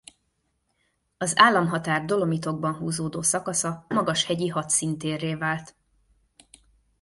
Az államhatár Dolomitokban húzódó szakasza magashegyi hadszíntérré vált.